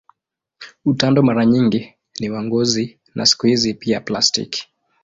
Utando mara nyingi ni wa ngozi na siku hizi pia plastiki.